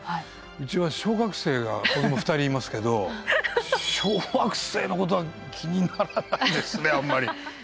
うちは小学生が子供２人いますけど小惑星のことは気にならないですねあんまり。